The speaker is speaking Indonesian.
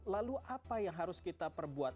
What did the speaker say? lalu apa yang harus kita perbuat